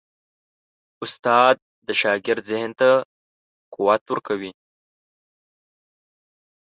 استاد د شاګرد ذهن ته قوت ورکوي.